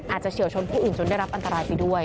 เฉียวชนผู้อื่นจนได้รับอันตรายไปด้วย